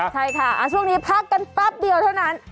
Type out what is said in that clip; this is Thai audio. ใช่ค่ะช่วงนี้พักกันแป๊บเดียวเท่านั้น